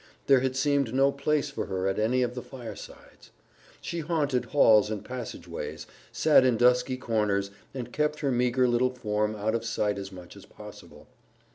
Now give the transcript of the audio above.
There had seemed no place for her at any of the firesides. She haunted halls and passage ways, sat in dusky corners, and kept her meager little form out of sight as much as possible.